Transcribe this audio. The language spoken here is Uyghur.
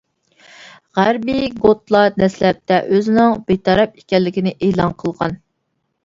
غەربىي گوتلار دەسلەپتە ئۆزىنىڭ بىتەرەپ ئىكەنلىكىنى ئېلان قىلغان.